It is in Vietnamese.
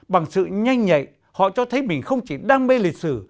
bằng sự nhanh nhạy họ cho thấy mình không chỉ đam mê lịch sử